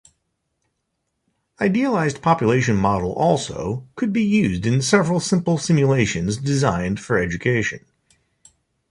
Idealised population model also, could be used in several simple simulations designed for education.